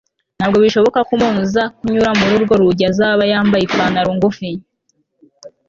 Ntabwo bishoboka ko umuntu uza kunyura muri urwo rugi azaba yambaye ipantaro ngufi